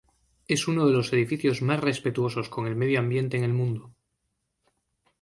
Es uno de los edificios más respetuosos con el medio ambiente en el mundo.